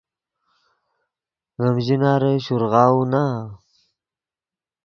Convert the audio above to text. ڤیم ژناری شورغاؤو نا